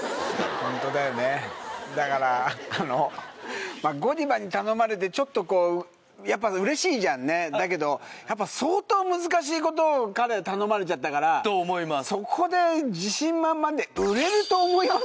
ホントだよねだからあのＧＯＤＩＶＡに頼まれてちょっとこうやっぱ嬉しいじゃんねだけどやっぱ相当難しいことを彼は頼まれちゃったからと思います